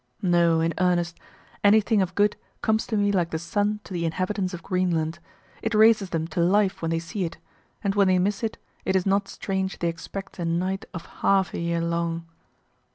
No, in earnest, anything of good comes to me like the sun to the inhabitants of Greenland, it raises them to life when they see it, and when they miss it, it is not strange they expect a night of half a year long.